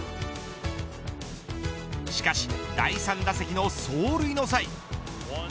しかし第３打席の走塁の際。